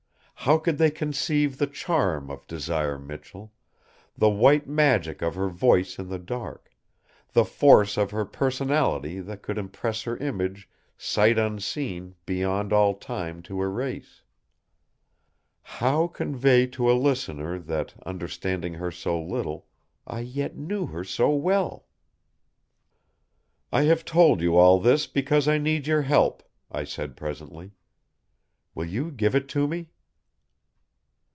How could they conceive the charm of Desire Michell, the white magic of her voice in the dark, the force of her personality that could impress her image "sight unseen" beyond all time to erase? How convey to a listener that, understanding her so little, I yet knew her so well? "I have told you all this because I need your help," I said presently. "Will you give it to me?"